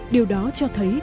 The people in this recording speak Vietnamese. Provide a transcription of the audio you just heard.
điều đó cho thấy